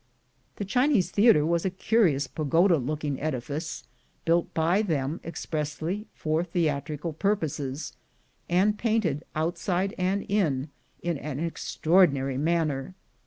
The Chinese theatre was a curious pagoda looking edifice, built by them expressly for theatrical purposes, and painted, outside and in, in an extraordinary man ner.